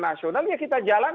nasional ya kita jalankan